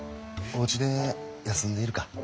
おうちで休んでいるか？